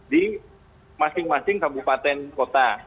di masing masing kabupaten kota